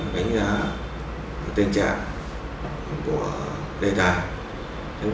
đánh giá tình trạng của đề tài